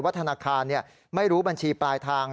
ธนาคารไม่รู้บัญชีปลายทาง